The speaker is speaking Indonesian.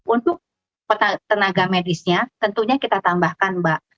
untuk tenaga medisnya tentunya kita tambahkan mbak